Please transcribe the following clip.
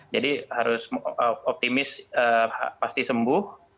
jadi harus optimis pasti sembuh